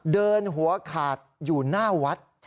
เดินหัวขาดอยู่หน้าวัด